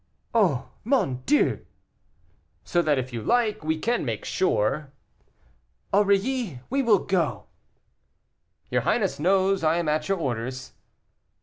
'" "Oh! mon Dieu!" "So that, if you like, we can make sure." "Aurilly, we will go." "Your highness knows I am at your orders."